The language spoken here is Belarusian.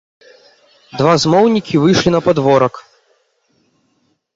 Два змоўнікі выйшлі на падворак.